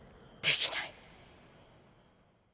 できない。